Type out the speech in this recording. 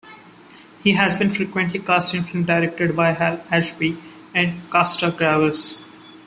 He has been frequently cast in films directed by Hal Ashby and Costa-Gavras.